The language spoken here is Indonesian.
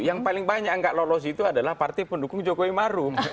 yang paling banyak nggak lolos itu adalah partai pendukung jokowi maruf